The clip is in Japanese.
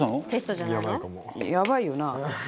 財前：やばいよな。